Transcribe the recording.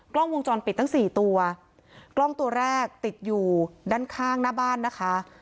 กล้องวงจรปิดตั้งสี่ตัวกล้องตัวแรกติดอยู่ด้านข้างหน้าบ้านนะคะ